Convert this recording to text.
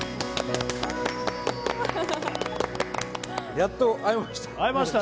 やっと会えました。